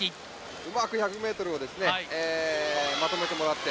うまく１００メートルをですねまとめてもらって。